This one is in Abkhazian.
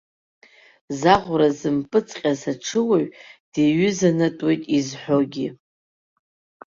Заӷәра зымпыҵҟьаз аҽыуаҩ диҩызанатәуеит изҳәогьы.